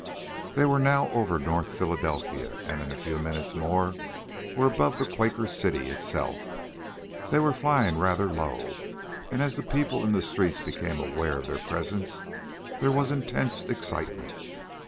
They were now over North Philadelphia, and, in a few minutes more were above the Quaker City itself. They were flying rather low, and as the people in the streets became aware of their presence there was intense excitement.